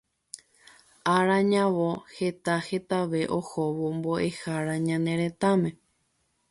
Ára ñavõ heta hetave ohóvo mbo'ehára ñane retãme